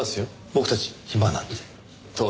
僕たち暇なんで。と